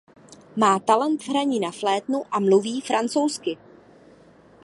Má talent v hraní na flétnu a mluví francouzsky.